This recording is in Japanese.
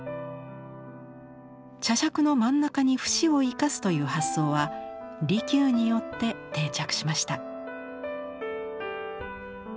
茶杓の真ん中に節を生かすという発想は利休によって定着しました。